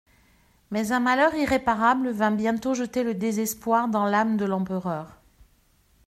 Mais un malheur irréparable vint bientôt jeter le désespoir dans l'âme de l'empereur.